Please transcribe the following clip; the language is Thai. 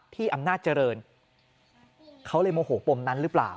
อำนาจเจริญเขาเลยโมโหปมนั้นหรือเปล่า